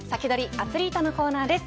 アツリートのコーナーです。